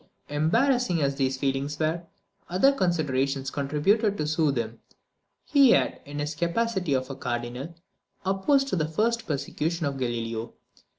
Embarrassing as these feelings were, other considerations contributed to soothe him. He had, in his capacity of a Cardinal, opposed the first persecution of Galileo.